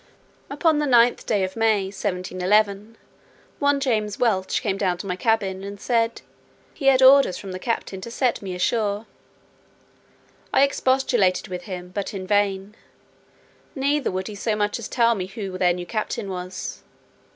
Upon the 9th day of May, 1711, one James Welch came down to my cabin, and said, "he had orders from the captain to set me ashore." I expostulated with him, but in vain; neither would he so much as tell me who their new captain was.